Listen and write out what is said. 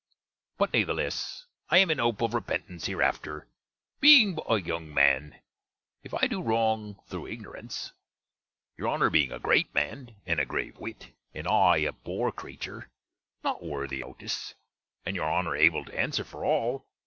But natheless I am in hope of reppentence hereafter, being but a younge man, if I do wrong thro' ignorens: your Honner being a grate man, and a grave wit; and I a poor crature, not worthy notice; and your Honner able to answer for all.